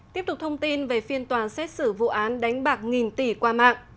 tiếp tục thông tin về phiên tòa xét xử vụ án đánh bạc nghìn tỷ qua mạng